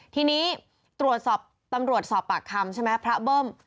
ทีนี้ตรวจสอบตำรวจสอบปากคำใช่ไหมพระเบิ้ม